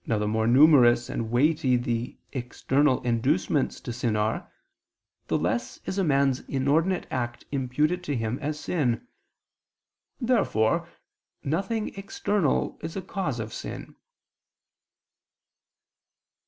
Now the more numerous and weighty the external inducements to sin are, the less is a man's inordinate act imputed to him as a sin. Therefore nothing external is a cause of sin.